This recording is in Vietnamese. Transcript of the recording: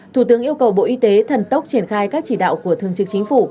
thủ tướng yêu cầu bộ y tế thần tốc triển khai các chỉ đạo của thương trực chính phủ